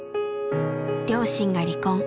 両親が離婚。